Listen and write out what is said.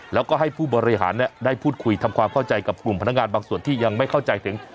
แล้วก็ให้ผู้บริหารได้พูดคุยทำความเข้าใจกับกลุ่มพนักงานบางส่วนที่ยังไม่เข้าใจถึง